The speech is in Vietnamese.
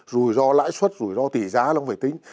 rủi ro lãi suất rủi ro tỷ giá nó cũng phải tính